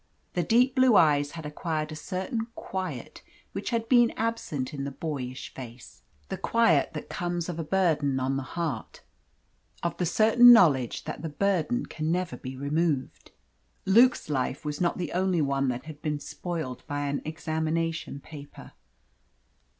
The deep blue eyes had acquired a certain quiet which had been absent in the boyish face the quiet that comes of a burden on the heart; of the certain knowledge that the burden can never be removed. Luke's life was not the only one that had been spoiled by an examination paper.